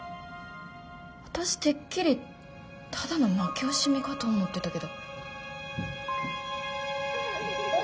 私てっきりただの負け惜しみかと思ってたけど。